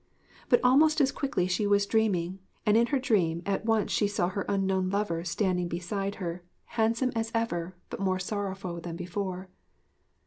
But almost as quickly she was dreaming, and in her dream at once she saw her unknown lover standing beside her, handsome as ever, but more sorrowful than before.